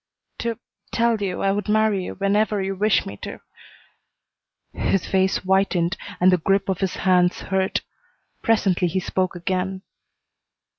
"To tell you I would marry you whenever you wish me to " His face whitened and the grip of his hands hurt. Presently he spoke again.